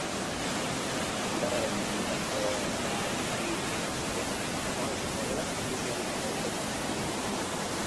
Argindarraren ordainagiria urrian garestiagoa izango dela ikusi ahal izango dute kontsumitzaileek.